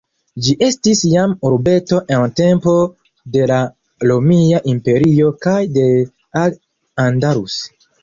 Ĝi estis jam urbeto en tempo de la Romia Imperio kaj de Al-Andalus.